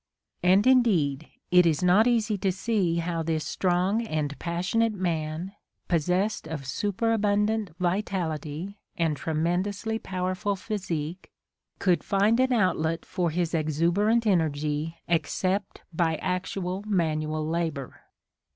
And indeed, it is not easy to see how this strong and passionate man, possessed of superabundant vitality and tremendously powerful physique, could find outlet for his exuberant energy except by actual manual labour.